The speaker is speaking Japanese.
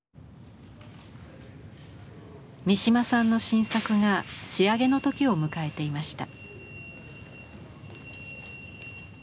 三島さんの新作が仕上げの時を迎えていました。